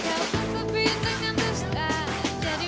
jangan jangan jangan lagi jangan lagi